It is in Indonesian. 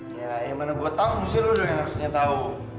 ya yang mana gue tau lu sih lo yang harusnya tau